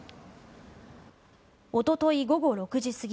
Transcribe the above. おととい午後６時過ぎ